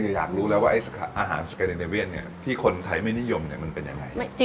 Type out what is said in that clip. อยากรู้แล้วว่าอาหารสแกนเดเวียนที่คนไทยไม่นิยมมันเป็นยังไง